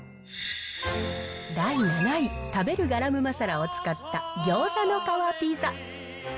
第７位、食べるガラムマサラを使った餃子の皮ピザ。